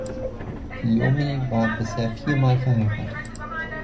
Iommi war bisher vier mal verheiratet.